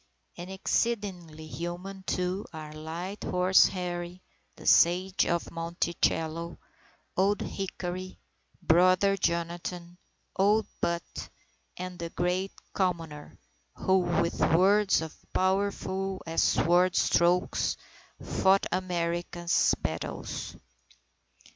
And exceedingly human, too, are Light Horse Harry, the Sage of Monticello, Old Hickory, Brother Jonathan, Old Put, and the Great Commoner, who, with words as powerful as sword strokes, fought America's battles.